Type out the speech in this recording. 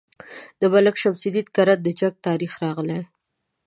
د ملک شمس الدین کرت د جنګ تاریخ راغلی.